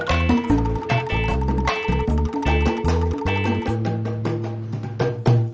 ya udah silahkan